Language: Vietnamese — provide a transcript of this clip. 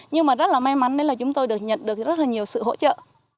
nhưng mà rất là may mắn nên là chúng tôi được nhận được rất là nhiều sự hỗ trợ